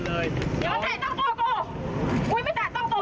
โอ้โหโอ้โห